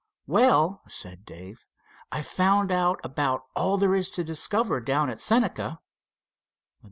"Well," said Dave, "I've found out about all there is to discover down at Senca."